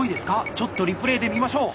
ちょっとリプレーで見ましょう。